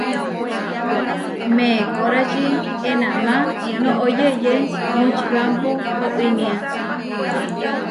Meekórači enamá noʼó yeʼyé Močibámpo oínia.